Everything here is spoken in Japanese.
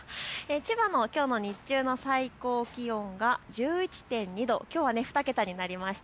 千葉のきょうの日中の最高気温が１１．２度、きょうは２桁になりました。